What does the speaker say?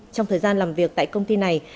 trong thời gian làm việc tại công ty này